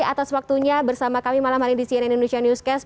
atas waktunya bersama kami malam hari di cnn indonesia newscast